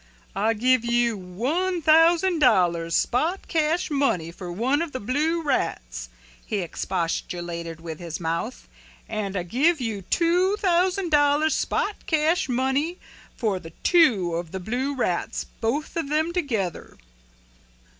"I give you one thousand dollars spot cash money for one of the blue rats," he expostulated with his mouth. "And I give you two thousand dollars spot cash money for the two of the blue rats both of them together."